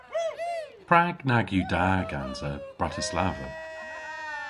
Prag nag yw da gansa Bratislava?